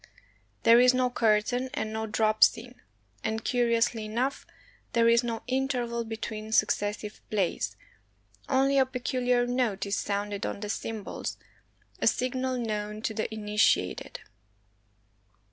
There is no curtain and no drop scene. And, curiously enough, there is no interval be tween successive plays, only a peculiar note is sounded on the cymbals, a signal known to the initiated.